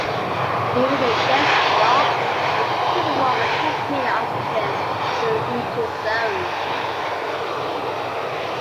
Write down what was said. Even the dead stalks are capable of transmitting oxygen to the rooting zone.